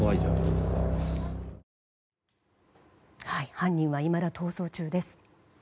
犯人はいまだ逃走中です。